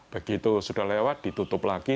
begitu sudah lewat ditutup lagi